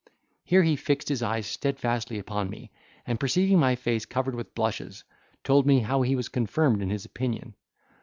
Here he fixed his eyes steadfastly upon me and perceiving my face covered with blushes, told me, how he was confirmed in his opinion.